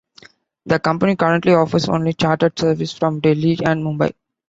The company currently offers only charter service from Delhi and Mumbai.